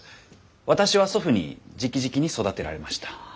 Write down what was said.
私は祖父にじきじきに育てられました。